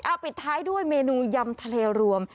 เอาปิดท้ายด้วยเมนูยำทะเลรวม